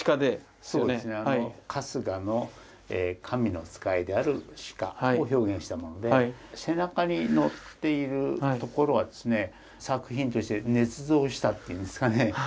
春日の神の使いである鹿を表現したもので背中にのっているところはですね作品として捏造したっていうんですかね。